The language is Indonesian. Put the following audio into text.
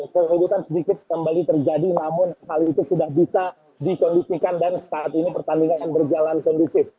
keributan sedikit kembali terjadi namun hal itu sudah bisa dikondisikan dan saat ini pertandingan berjalan kondusif